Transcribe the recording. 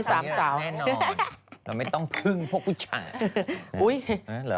สามสาวแน่นอนเราไม่ต้องพึ่งพวกผู้ช่างอุ้ยหรอพี่เป็น